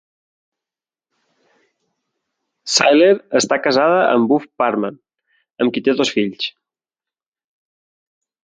Syler està casada amb Buff Parham, amb qui té dos fills.